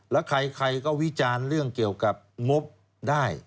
แล้วใครก็วิจารณ์เรื่องเกี่ยวกับงบได้